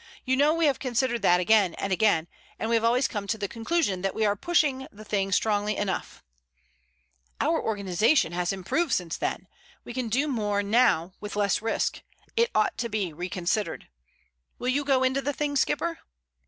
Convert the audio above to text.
"You know we have considered that again and again, and we have always come to the conclusion that we are pushing the thing strongly enough." "Our organization has improved since then. We can do more now with less risk. It ought to be reconsidered. Will you go into the thing, skipper?"